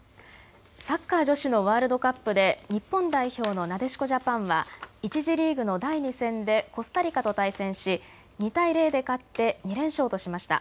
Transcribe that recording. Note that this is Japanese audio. サッカー女子のワールドカップで日本代表のなでしこジャパンは１次リーグの第２戦でコスタリカと対戦し２対０で勝って２連勝としました。